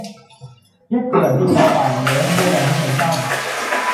一個人嘅挫敗，兩個人去承擔